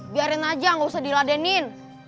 biarin aja gak usah diladenin